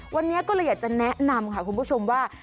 วันนี้ก็เลยอยากจะแนะนำค่ะคุณผู้ชมว่า